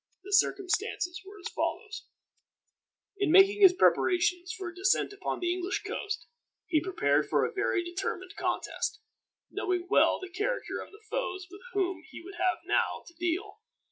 The circumstances were as follows: In making his preparations for a descent upon the English coast, he prepared for a very determined contest, knowing well the character of the foes with whom he would have now to deal.